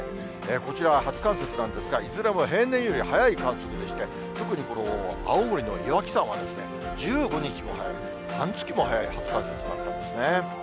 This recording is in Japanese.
こちらは初冠雪なんですが、いずれも平年より早い観測でして、特にこの青森の岩木山は、１５日も早い、半月も早い初冠雪だったんですね。